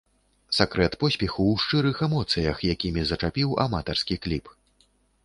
Сакрэт поспеху ў шчырых эмоцыях, якімі зачапіў аматарскі кліп.